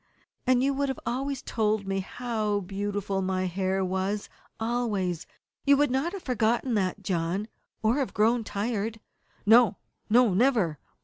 "And you would always have told me how beautiful my hair was always. You would not have forgotten that, John or have grown tired?" "No, no never!"